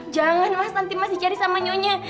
jangan mas nanti mas dicari sama nyonya